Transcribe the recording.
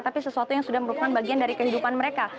tapi sesuatu yang sudah merupakan bagian dari kehidupan mereka